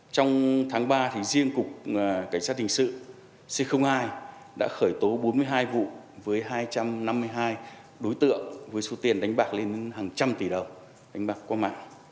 trong tháng ba thì riêng cục cảnh sát hình sự c hai đã khởi tố bốn mươi hai vụ với hai trăm năm mươi hai đối tượng với số tiền đánh bạc lên hàng trăm tỷ đồng đánh bạc qua mạng